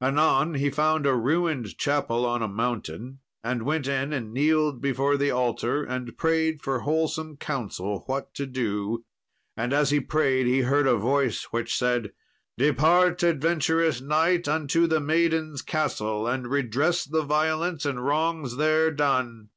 Anon he found a ruined chapel on a mountain, and went in and kneeled before the altar, and prayed for wholesome counsel what to do; and as he prayed he heard a voice, which said, "Depart, adventurous knight, unto the Maiden's Castle, and redress the violence and wrongs there done!"